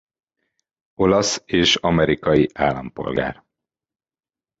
Olasz és amerikai állampolgár.